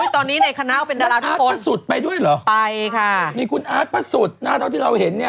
โถมันล้อต้นมาก็แม่หนูเห็นแม่หนูสิ